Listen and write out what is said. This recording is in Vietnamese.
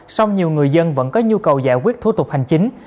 song nhiều người dân vẫn có nhu cầu giải quyết thủ tục hành chính